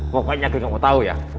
pokoknya gue gak mau tahu ya